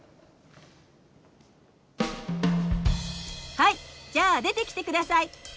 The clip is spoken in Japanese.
はいじゃあ出てきて下さい。